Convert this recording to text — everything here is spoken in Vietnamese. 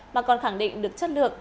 mà còn khẳng định được chất lượng